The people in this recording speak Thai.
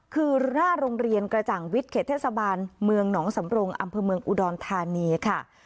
คือหน้าโรงเรียนกระจ่างวิทย์เขตเทศบาลเมืองหนองสำรงอำเภอเมืองอุดรธานีค่ะ